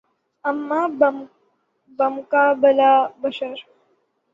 اماں بمقابلہ بشر